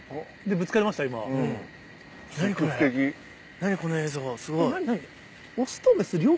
何この映像スゴい。